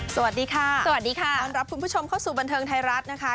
สวัสดีค่ะสวัสดีค่ะต้อนรับคุณผู้ชมเข้าสู่บันเทิงไทยรัฐนะคะ